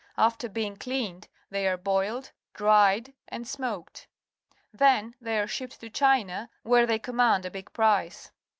After being cleaned, they are boiled, dried, and smoked. Then they are shipped to China, where they com mand a big price.